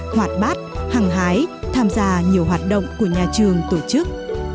hoạt bát hằng hái tham gia nhiều hoạt động của nhà trường tổ chức